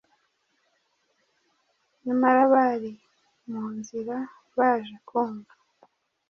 Nyamara bari mu nzira, baje kumva